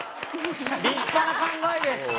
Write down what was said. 立派な考えです